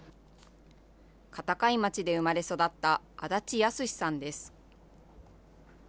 片貝町で生まれ育った安達靖さんです。